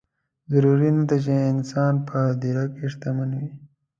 ضروري نه ده چې انسان په هدیره کې شتمن وي.